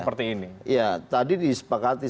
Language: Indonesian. seperti ini ya tadi disepakati